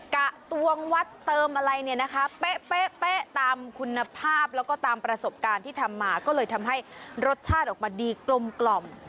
กะตวงวัดเติมอะไรเนี่ยนะคะเป๊ะตามคุณภาพแล้วก็ตามประสบการณ์ที่ทำมาก็เลยทำให้รสชาติออกมาดีกลม